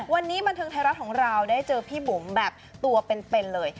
วันนี้บันเทิงไทยรัฐของเราได้เจอพี่บุ๋มแบบตัวเป็นเลย